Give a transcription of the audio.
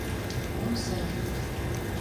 Ом сыре.